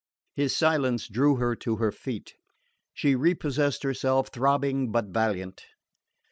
His silence drew her to her feet. She repossessed herself, throbbing but valiant.